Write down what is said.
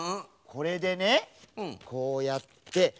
これでねこうやってほら！